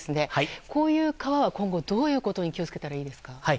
こういう川は今後どういうことに気を付けたらいいですか。